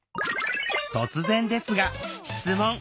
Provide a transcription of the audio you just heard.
突然ですが質問！